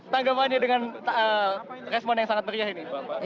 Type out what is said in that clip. tanggapannya dengan respon yang sangat meriah ini